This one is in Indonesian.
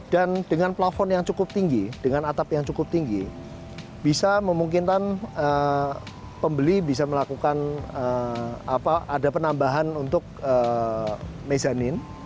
dan dengan plafon yang cukup tinggi dengan atap yang cukup tinggi bisa memungkinkan pembeli bisa melakukan penambahan untuk mezanin